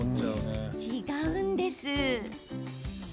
違うんです。